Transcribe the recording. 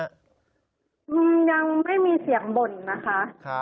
อะไรนะคะ